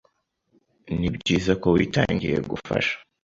Nibyiza ko witangiye gufasha.